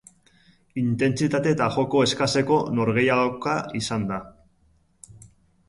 Intentsitate eta joko eskaseko norgehiagoka izan da.